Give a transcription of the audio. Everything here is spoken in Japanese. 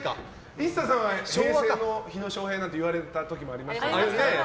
ＩＳＳＡさんは平成の火野正平なんて言われた時もありましたね。